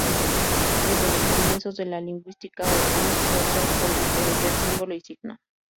Desde los comienzos de la lingüística hubo un esfuerzo por diferenciar símbolo y signo.